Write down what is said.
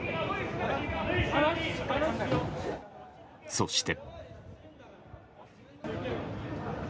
そして。